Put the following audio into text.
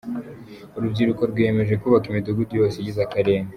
Urubyiruko rwiyemeje kubaka imidugudu yose igize Akarere